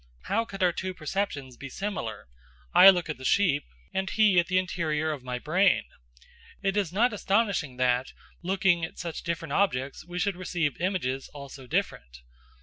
How could our two perceptions be similar? I look at the sheep, and he at the interior of my brain. It is not astonishing that, looking at such different objects, we should receive images also different.